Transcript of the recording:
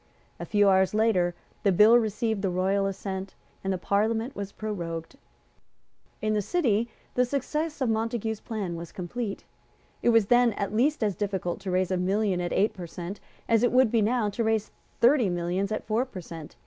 A few hours later the bill received the royal assent, and the Parliament was prorogued. In the City the success of Montague's plan was complete. It was then at least as difficult to raise a million at eight per cent. as it would now be to raise thirty millions at four per cent.